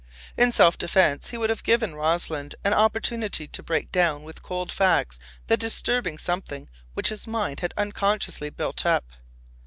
In self defense he would have given Rossland an opportunity to break down with cold facts the disturbing something which his mind had unconsciously built up.